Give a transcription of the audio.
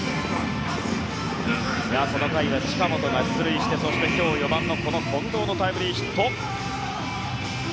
この回は近本が出塁してそして、今日４番の近藤のタイムリーヒット。